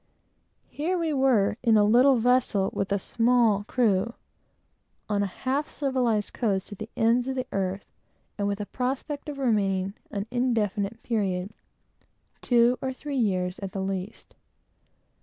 Here we were, in a little vessel, with a small crew, on a half civilized coast, at the ends of the earth, and with a prospect of remaining an indefinite period, two or three years at the least.